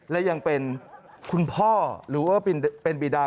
และยังเป็นคุณพ่อหรือว่าเป็นบีดา